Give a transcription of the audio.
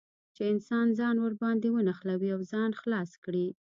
چې انسان ځان ور باندې ونښلوي او ځان خلاص کړي.